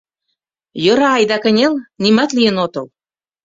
— Йӧра айда, кынел, нимат лийын отыл...